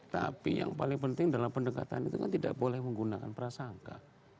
tapi yang paling penting dalam pendekatan itu kan tidak boleh menggunakan prasangka